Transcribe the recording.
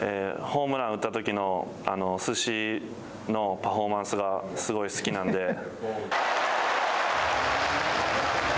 ホームランを打ったときの寿司のパフォーマンスがすごい好きなので。